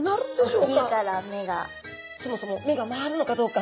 そもそも目が回るのかどうか。